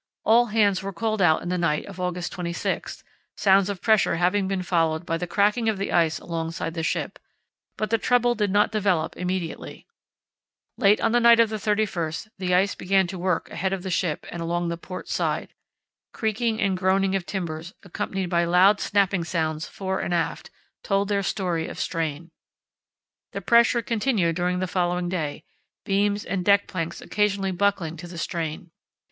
All hands were called out in the night of August 26, sounds of pressure having been followed by the cracking of the ice alongside the ship, but the trouble did not develop immediately. Late on the night of the 31st the ice began to work ahead of the ship and along the port side. Creaking and groaning of timbers, accompanied by loud snapping sounds fore and aft, told their story of strain. The pressure continued during the following day, beams and deck planks occasionally buckling to the strain.